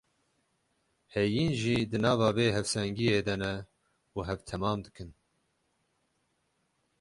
Heyîn jî di nava vê hevsengiyê de ne û hev temam dikin.